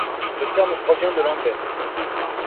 Le terme provient de l'anglais.